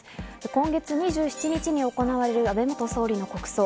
今月２７日に行われる安倍元総理の国葬。